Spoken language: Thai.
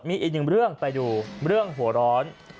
มีอีกหนึ่งเรื่องไปดูเรื่องหัวร้อน